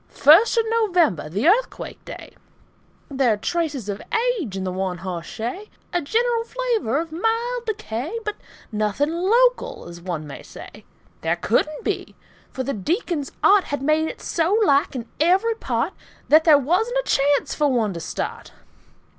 FIRST OF NOVEMBER, The Earthquake day There are traces of age in the one hoss shay, A general flavor of mild decay, But nothing local, as one may say. There couldn't be, for the Deacon's art Had made it so like in every part That there wasn't a chance for one to start.